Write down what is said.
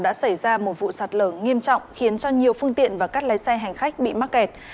đã xảy ra một vụ sạt lở nghiêm trọng khiến cho nhiều phương tiện và các lái xe hành khách bị mắc kẹt